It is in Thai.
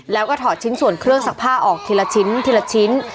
แล้วก็ถอดชิ้นส่วนเครื่องซักผ้าออกทีละชิ้นทีละชิ้น